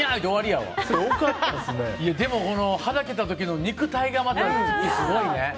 でも、はだけた時の肉体がまたすごいね。